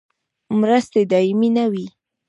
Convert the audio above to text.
مرستې دایمي نه وي